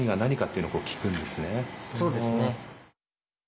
そうですね。